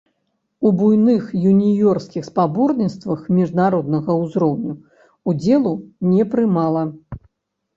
У буйных юніёрскіх спаборніцтвах міжнароднага ўзроўню ўдзелу не прымала.